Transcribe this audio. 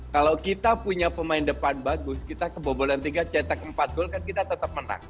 kalau kita punya pemain depan bagus kita kebobolan tiga cetak empat gol kan kita tetap menang